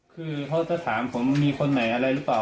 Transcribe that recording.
คือเขาจะถามผมมีคนไหนอะไรหรือเปล่า